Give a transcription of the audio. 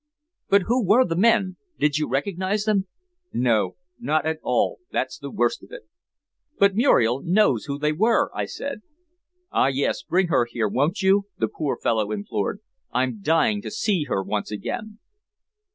"But who were the men? Did you recognize them?" "No, not at all. That's the worst of it." "But Muriel knows who they were!" I said. "Ah, yes! Bring her here, won't you?" the poor fellow implored, "I'm dying to see her once again."